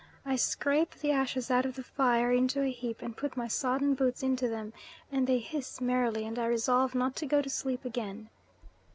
I scrape the ashes out of the fire into a heap, and put my sodden boots into them, and they hiss merrily, and I resolve not to go to sleep again.